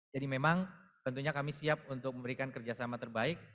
jadi memang tentunya kami siap untuk memberikan kerjasama terbaik